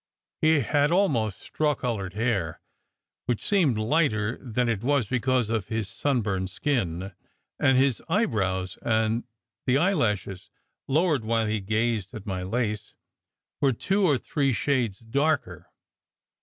He had almost straw coloured hair, which seemed lighter than it was because of his sunburned skin; and his eyebrows and the eyelashes (lowered while he gazed at my lace) were two or three shades darker.